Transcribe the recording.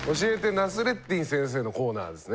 ナスレッディン先生」のコーナーですね